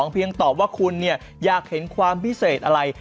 เพียงตอบว่าคุณอยากเห็นความพิเศษอะไร